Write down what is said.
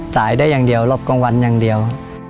ได้อย่างเดียวรอบกลางวันอย่างเดียว